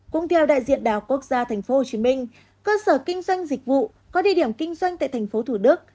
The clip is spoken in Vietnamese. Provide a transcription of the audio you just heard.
cũng theo đại diện đại học quốc gia tp hcm cơ sở kinh doanh dịch vụ có địa điểm kinh doanh tại tp thủ đức